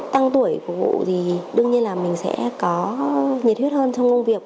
tăng tuổi phục vụ thì đương nhiên là mình sẽ có nhiệt huyết hơn trong công việc